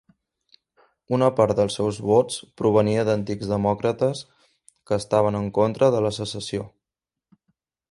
Una part dels seus vots provenia d'antics demòcrates que estaven en contra de la secessió.